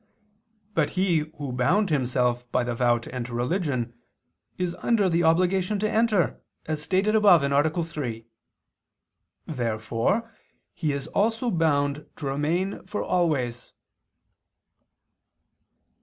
But he who bound himself by the vow to enter religion, is under the obligation to enter, as stated above (A. 3). Therefore he is also bound to remain for always.